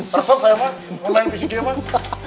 sos saya mbah main fisiknya mbah